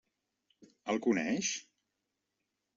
El coneix?